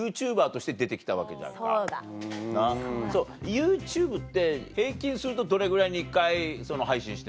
ＹｏｕＴｕｂｅって平均するとどれぐらいに１回配信してるの？